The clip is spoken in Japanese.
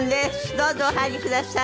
どうぞお入りください。